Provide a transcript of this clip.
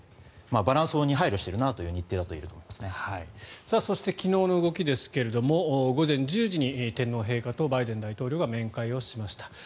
バランスに配慮しているなという日程だといえるとそして昨日の動きですが午前１０時に天皇陛下とバイデン大統領が面会しました。